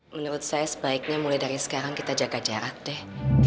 menurut saya sebaiknya mulai dari sekarang kita jaga jarak deh